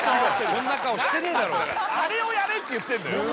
そんな顔してねえだろ何なのだからあれをやれっていってんのよ・